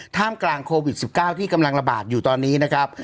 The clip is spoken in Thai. ท่ามกลางโควิด๑๙ที่กำลังระบาดอยู่ตอนนี้นะครับ